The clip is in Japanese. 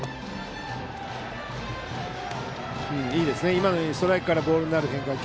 今のようにストライクからボールになる変化球。